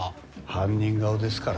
犯人顔ですからねぇ。